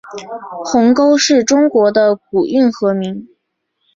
鸿沟是中国的古运河名。